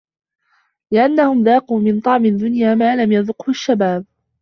لِأَنَّهُمْ ذَاقُوا مِنْ طَعْمِ الدُّنْيَا مَا لَمْ يَذُقْهُ الشَّبَابُ